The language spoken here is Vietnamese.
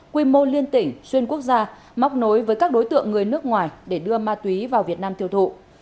quy mô liên tỉnh xuyên quốc gia móc nối với các đối tượng người nước ngoài để đưa ma túy vào việt nam tiêu thụ